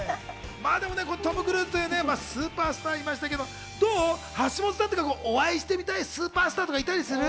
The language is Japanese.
トム・クルーズというスーパースターいましたけれども、橋本さん、お会いしてみたいスーパースターとかいたりする？